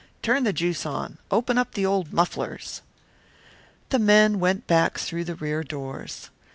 Turn the juice on, open up the old mufflers." The men went back through the rear doors.